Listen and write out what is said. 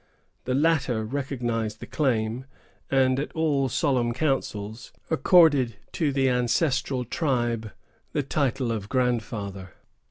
The latter recognized the claim, and, at all solemn councils, accorded to the ancestral tribe the title of Grandfather.